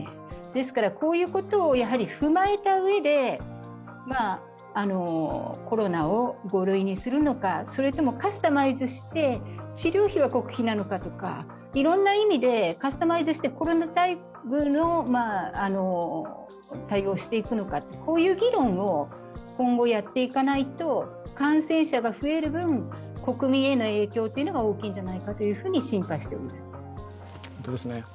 ですからこういうことを踏まえたうえでコロナを５類にするのかそれともカスタマイズして治療費は国費なのかとか、いろんな意味でカスタマイズしてコロナタイプの対応をしていくのか、こういう議論を今後やっていかないと、感染者が増える分国民への影響というのが大きいんじゃないかと心配しています。